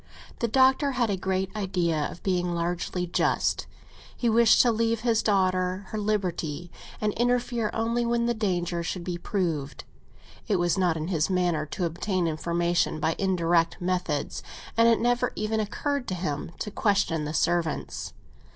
The Doctor had a great idea of being largely just: he wished to leave his daughter her liberty, and interfere only when the danger should be proved. It was not in his manner to obtain information by indirect methods, and it never even occurred to him to question the servants.